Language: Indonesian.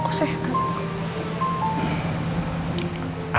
apanya sehat sih ma